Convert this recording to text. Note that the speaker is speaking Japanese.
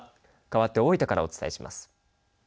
かわって大分からお伝えします。